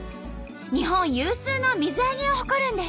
日本有数の水揚げを誇るんです。